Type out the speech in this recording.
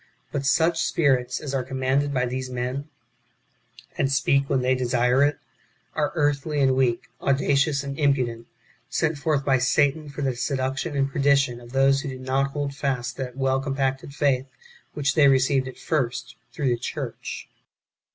But such spirits as are commanded by these men, and speak when they desire it, are earthly and weak, audacious and impudent, sent forth by Satan for the seduc tion and perdition of those who do not hold fast that well compacted faith which they received at first through the church.